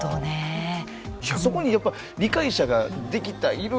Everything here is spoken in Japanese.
そこにやっぱ理解者ができたいる。